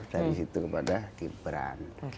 dari situ kepada gibran